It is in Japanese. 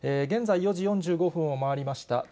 現在、４時４５分を回りました。